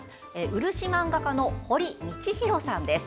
漆漫画家の堀道広さんです。